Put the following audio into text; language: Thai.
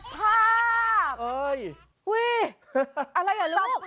สภาพอุ๊ยสภาพอะไรเหรอลูก